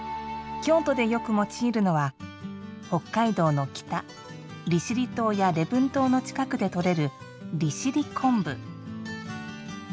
京都でよく用いるのは北海道の北、利尻島や礼文島の近くで取れる利尻昆布。